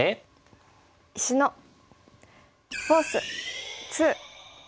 「石のフォース２」。